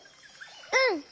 うん！